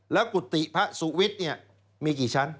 แล้วกุฏิพระสุวิทย์เนี่ยมีกี่ชั้น